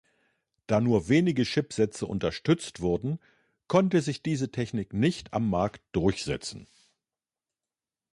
Da nur wenige Chipsätze unterstützt wurden, konnte sich diese Technik nicht am Markt durchsetzen.